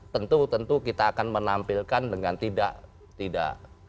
tentu tentu kita akan menampilkan dengan tidak